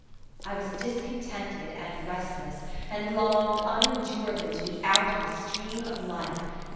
I was discontented and restless, and longed unendurably to be out in the stream of life.